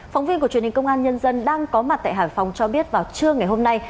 phóng viên của truyền hình công an nhân dân đang có mặt tại hải phòng cho biết vào trưa ngày hôm nay